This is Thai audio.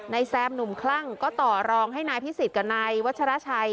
แซมหนุ่มคลั่งก็ต่อรองให้นายพิสิทธิ์กับนายวัชราชัย